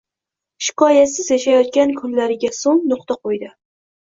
shikoyatsiz yashayotgan kunlariga so'ng nuqta qo'ydi.